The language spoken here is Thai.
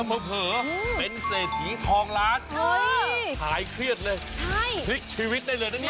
เผลอเป็นเศรษฐีทองล้านหายเครียดเลยพลิกชีวิตได้เลยนะเนี่ย